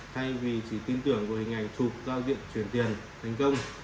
thay vì chỉ tin tưởng về hình ảnh thuộc giao diện chuyển tiền thành công